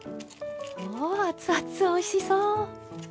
うわ熱々おいしそう！